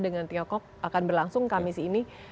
dengan tiongkok akan berlangsung kamis ini